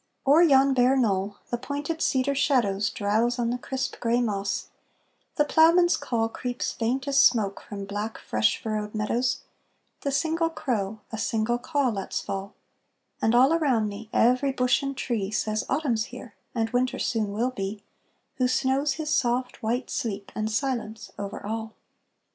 O'er yon bare knoll the pointed cedar shadows Drowse on the crisp, gray moss; the ploughman's call Creeps faint as smoke from black, fresh furrowed meadows; The single crow a single caw lets fall; And all around me every bush and tree Says Autumn 's here, and Winter soon will be Who snows his soft, white sleep and silence over all.